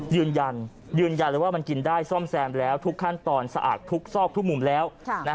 ยืนยันยืนยันเลยว่ามันกินได้ซ่อมแซมแล้วทุกขั้นตอนสะอาดทุกซอกทุกมุมแล้ว